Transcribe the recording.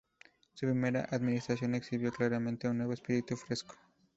Su primera administración exhibió claramente un nuevo espíritu fresco.